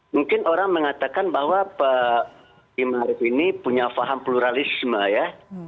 mungkin orang mengatakan bahwa pak imarif ini punya faham pluralisme ya